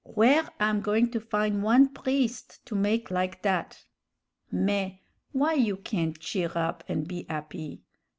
Where I'm goin' to fin' one priest to make like dat? Mais, why you can't cheer up an' be 'appy?